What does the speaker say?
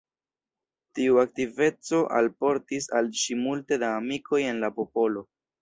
Tiu aktiveco alportis al ŝi multe da amikoj en la popolo.